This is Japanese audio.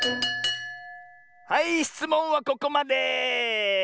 はいしつもんはここまで！